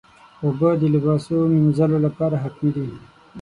اوبه د لباسو مینځلو لپاره حتمي دي.